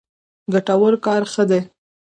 ګټور کار ښه دی.